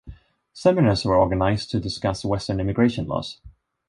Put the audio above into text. Seminars were organized to discuss Western immigration laws.